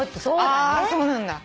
あそうなんだ。